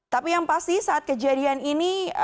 tapi yang pasti saat kejadian ini